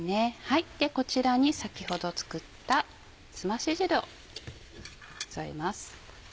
こちらに先ほど作ったすまし汁を添えます。